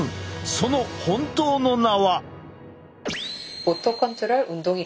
その本当の名は。